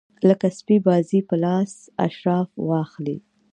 لکه سپي بازي په لاس اشراف واخلي.